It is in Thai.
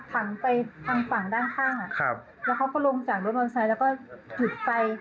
หันไปทางฝั่งด้านข้างแล้วเขาก็ลงจากรถมอเตอร์ไซค์แล้วก็จุดไฟ